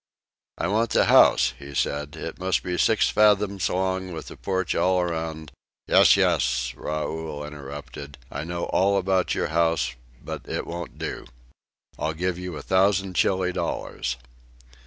"I want the house," he said. "It must be six fathoms long with a porch all around " "Yes, yes," Raoul interrupted. "I know all about your house, but it won't do. I'll give you a thousand Chili dollars."